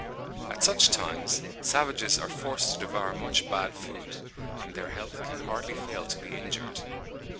At such times savages are forced to devour much bad food, and their health can hardly fail to be injured.